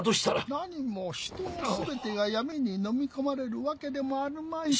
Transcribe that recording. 何もヒトの全てが闇にのみ込まれるわけでもあるまいて。